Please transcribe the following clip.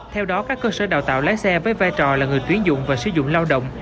theo đó các cơ sở đào tạo lái xe với vai trò là người tuyển dụng và sử dụng lao động